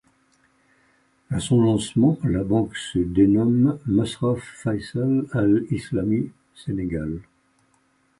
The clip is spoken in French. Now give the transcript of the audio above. À son lancement, la banque se dénomme Massraf Faical Al Islami Sénégal.